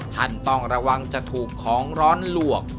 ท่านต้องระวังจะถูกของร้อนหลวก